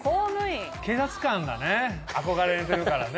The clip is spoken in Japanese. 警察官だね憧れてるからね。